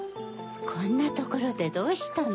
こんなところでどうしたの？